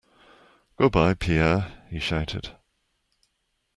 Goodbye, Pierre, he shouted.